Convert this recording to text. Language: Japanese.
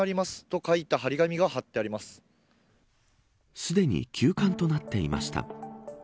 すでに休館となっていました。